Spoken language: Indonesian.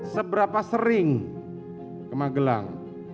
seberapa sering ke magelang